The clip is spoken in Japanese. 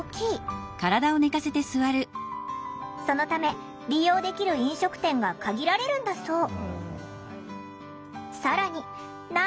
そのため利用できる飲食店が限られるんだそう。